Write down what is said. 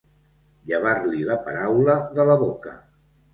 Llevar-li la paraula de la boca.